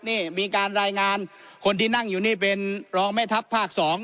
นี่มีการรายงานคนที่นั่งอยู่นี่เป็นรองแม่ทัพภาค๒